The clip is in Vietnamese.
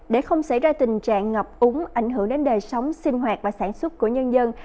để không xảy ra tình trạng ngập úng ảnh hưởng đến đời sống sinh hoạt và sản xuất của nhân dân